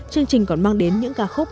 chương trình còn mang đến những ca khúc